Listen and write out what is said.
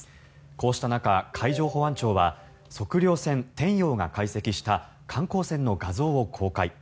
こうした中海上保安庁は測量船「天洋」が解析した観光船の画像を公開。